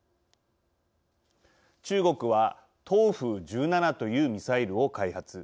中国は東風１７というミサイルを開発。